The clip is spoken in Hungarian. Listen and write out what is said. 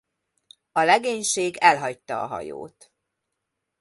A legénység elhagyta a hajót.